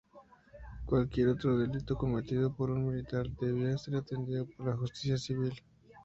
Cualquier otro delito cometido por un militar debía ser atendido por la justicia civil.